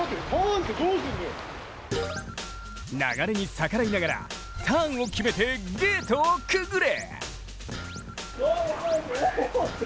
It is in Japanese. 流れに逆らいながらターンを決めてゲートをくぐれ。